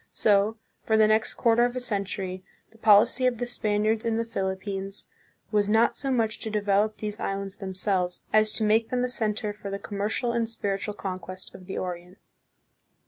So, for the next quarter of a cen tury, the policy of the Spaniards in the Philippines was not so much to develop these islands themselves, as to make them a center for the commercial and spiritual conquest of the Orient.